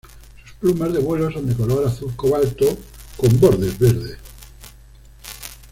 Sus plumas de vuelo son de color azul cobalto con bordes verdes.